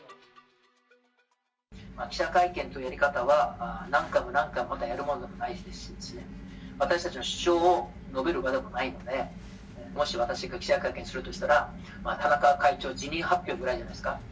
記者会見というやり方は、何回も何回もまたやるもんでもないですし、私たちの主張を述べる場でもないので、もし私が記者会見するとしたら、田中会長辞任発表ぐらいじゃないですか。